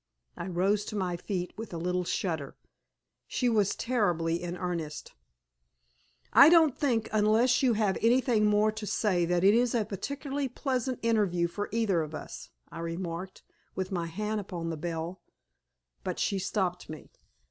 I rose to my feet with a little shudder. She was terribly in earnest. "I don't think, unless you have anything more to say, that it is a particularly pleasant interview for either of us," I remarked, with my hand upon the bell. But she stopped me.